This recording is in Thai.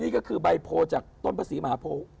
นี่ก็คือใบโพลจากต้นพระศรีมหาโพ